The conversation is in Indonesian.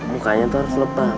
mukanya tuh harus lebam